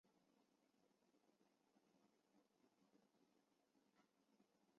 核桃街。